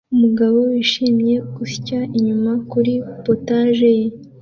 Umugabo wishimye gusya inyama kuri POTAGE ye